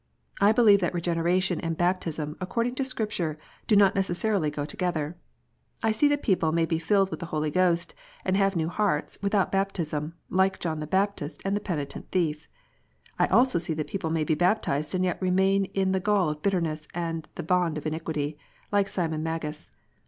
I believe that Regeneration and baptism, according to Scripture, do not necessarily go together. J see that people may be filled with the Holy Ghost, and have new hearts, without baptism, like John the Baptist and the penitent thief. I see also that people may be baptized, and yet remain in the gall of bitterness and bond of iniquity, like Simon Magus.